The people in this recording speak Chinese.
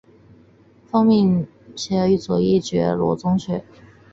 奉命稽查右翼觉罗宗学。